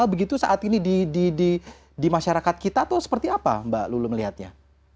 begitu saat ini di masyarakat kita atau seperti apa mbak lulu melihatnya